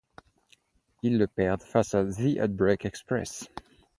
Ils le perdent face à the Heartbreak Express.